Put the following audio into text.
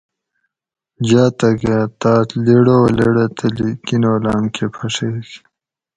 جاۤتک اۤ تاۤس لیڑولیڑہ تلی کینولام کہ پھڛیگ